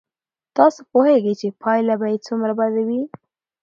تاسو پوهېږئ چې پایله به یې څومره بد وي.